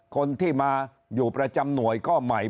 คนที่มาอยู่ประจำหน่วยก็ใหม่